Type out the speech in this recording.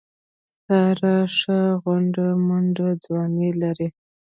ساره ښه غونډه منډه ځواني لري.